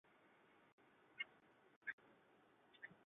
是粤东五大河流中污染指数最严重的河流。